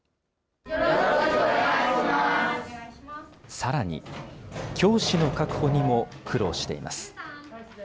さらに、教師の確保にも苦労しています。